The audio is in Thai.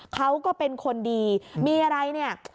เขาก็เป็นคนดีมีอะไรเนี่ย